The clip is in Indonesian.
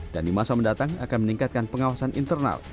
dan di masa mendatang akan meningkatkan pengawasan internal